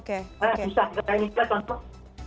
nah yang susah misalnya contoh